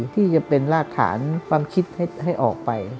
ที่จะเป็นรากฐานความคิดให้ออกไป